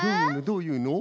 どういうの？